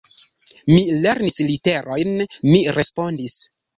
Mi lernis literojn, mi respondis.